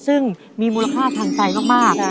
ซึ่งมีมูลค่าทางใจมาก